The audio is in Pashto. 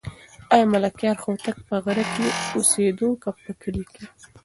آیا ملکیار هوتک په غره کې اوسېده که په کلي کې؟